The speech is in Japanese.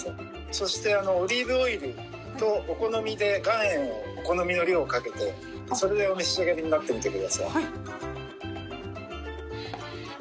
そしてオリーブオイルとお好みで岩塩をお好みの量をかけてそれでお召し上がりになってみてください。